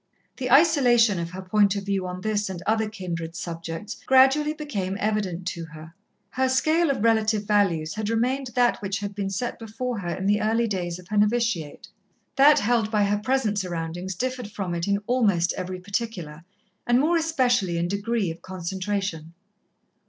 The isolation of her point of view on this and other kindred subjects gradually became evident to her. Her scale of relative values had remained that which had been set before her in the early days of her novitiate. That held by her present surroundings differed from it in almost every particular, and more especially in degree of concentration.